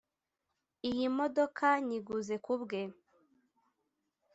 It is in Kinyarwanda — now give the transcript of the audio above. iyi modoka nyiguze kubwe